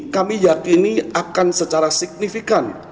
kami yakini akan secara signifikan